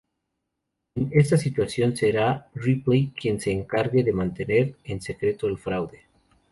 En esta situación, será Ripley quien se encargue de mantener en secreto el fraude.